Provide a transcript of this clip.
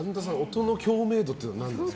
音の共鳴度というのは何ですか？